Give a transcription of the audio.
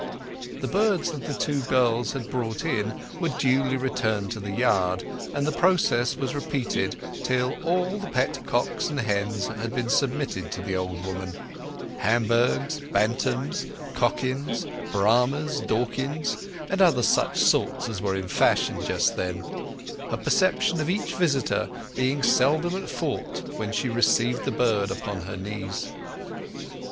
The birds that the two girls had brought in were duly returned to the yard, and the process was repeated till all the pet cocks and hens had been submitted to the old woman—Hamburghs, Bantams, Cochins, Brahmas, Dorkings, and such other sorts as were in fashion just then—her perception of each visitor being seldom at fault as she received the bird upon her knees.